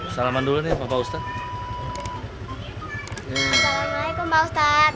salaman dulu ya pak ustadz waalaikumsalam